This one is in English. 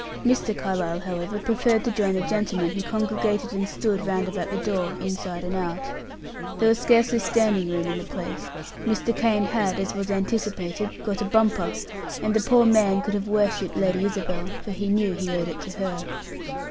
Mr. Carlyle, however, preferred to join the gentlemen who congregated and stood round about the door inside and out. There was scarcely standing room in the place; Mr. Kane had, as was anticipated, got a bumper, and the poor man could have worshipped Lady Isabel, for he knew he owed it to her.